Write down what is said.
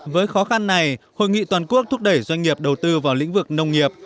với khó khăn này hội nghị toàn quốc thúc đẩy doanh nghiệp đầu tư vào lĩnh vực nông nghiệp